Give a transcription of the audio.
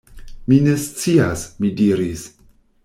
Mi ne scias, mi diris.